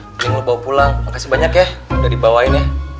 mungkin mau bawa pulang makasih banyak ya udah dibawain ya